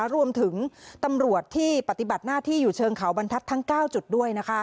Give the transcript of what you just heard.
รวมถึงตำรวจที่ปฏิบัติหน้าที่อยู่เชิงเขาบรรทัศน์ทั้ง๙จุดด้วย